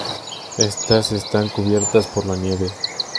Estas están cubiertas por la nieve.